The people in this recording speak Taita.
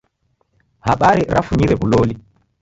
Habari rafunyire w'uloli.